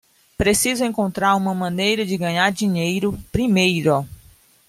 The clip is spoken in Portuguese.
Preciso encontrar uma maneira de ganhar dinheiro primeiro.